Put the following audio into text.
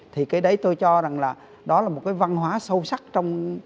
thì cái đấy tôi cho rằng là đó là một cái văn hóa sâu sắc trong